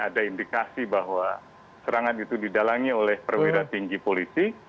ada indikasi bahwa serangan itu didalangi oleh perwira tinggi polisi